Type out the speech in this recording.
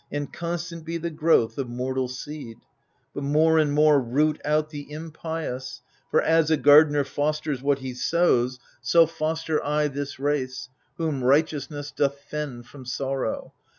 And constant be the growth of mortal seed. But more and more root out the impious, For as a gardener fosters what he sows, THE FURIES 177 So foster I this race, whom righteousness Doth fend from sorrow.